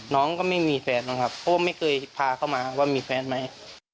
น้องก็ไม่มีแฟนบ้างครับเพราะว่าไม่เคยพาเข้ามาว่ามีแฟนไหม